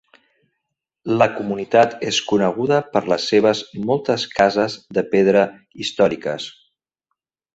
La comunitat és coneguda per les seves moltes cases de pedra històriques.